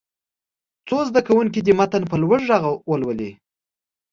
څو زده کوونکي دې متن په لوړ غږ ولولي.